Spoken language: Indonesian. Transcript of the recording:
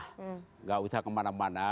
tidak usah kemana mana